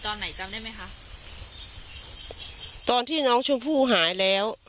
ตอนไหนจำได้ไหมคะตอนที่น้องชมพู่หายแล้ว